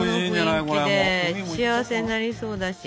幸せになりそうだし。